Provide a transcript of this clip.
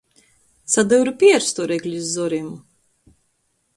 Sadyuru pierstu ar eglis zorim.